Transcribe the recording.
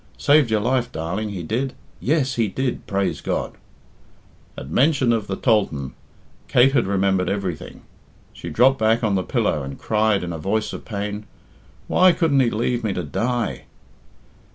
Saved your life, darling. He did; yes, he did, praise God." At mention of the tholthan, Kate had remembered everything. She dropped back on the pillow, and cried, in a voice of pain, "Why couldn't he leave me to die?"